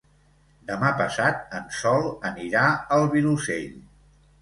Demà passat en Sol anirà al Vilosell.